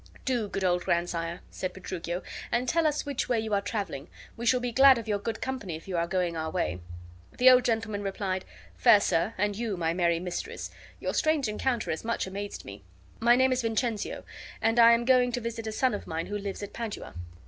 "Do, good old grandsire," said Petruchio, "and tell us which way you are traveling. We shall be glad of your good company, if you are going our way." The old gentleman replied: "Fair sir, and you, my merry mistress, your strange encounter has much amazed me. My name is Vincentio, and I am going to visit a son of mine who lives at Padua."